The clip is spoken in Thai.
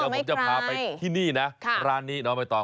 ไม่ใครค่ะที่นี่นะร้านนี้น้องมันตอบ